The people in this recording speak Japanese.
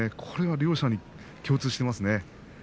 これが両者に共通しています。